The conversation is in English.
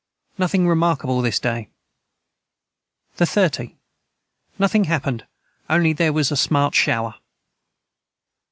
Nothing remarkable this day. the 30. Nothing hapened only there was a Smart shower.